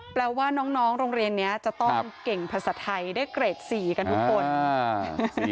แปลว่าน้องโรงเรียนนี้จะต้องเก่งภาษาไทยได้เกรดสี่กันทุกคน